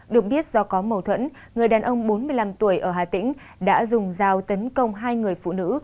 được biết do có mâu thuẫn người đàn ông bốn mươi năm tuổi ở hà tĩnh đã dùng dao tấn công hai người phụ nữ